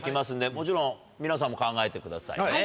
もちろん皆さんも考えてくださいね。